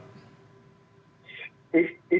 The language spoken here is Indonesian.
itu kondisi terakhir